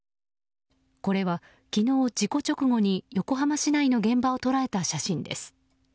これは昨日、事故直後に横浜市内の現場を捉えた写真です。